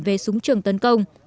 về súng trường tấn công